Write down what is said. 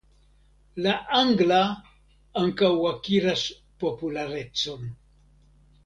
La angla ankaŭ akiras popularecon.